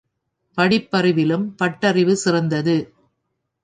படிப்பறிவிலும் பட்டறிவு சிறந்தது.